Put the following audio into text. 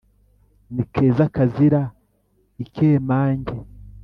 ni keza kazira ikemange